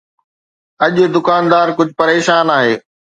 اڄ دڪاندار ڪجهه پريشان آهي